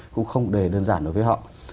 cũng không đề đơn giản đối với họ